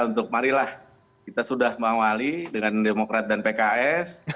untuk marilah kita sudah mengawali dengan demokrat dan pks